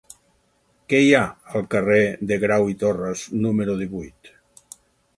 Què hi ha al carrer de Grau i Torras número divuit?